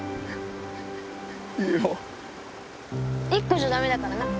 １個じゃ駄目だからな。